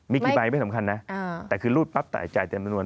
มีกี่ใบไม่สำคัญนะแต่คือรูดปั๊บจ่ายเต็มจำนวน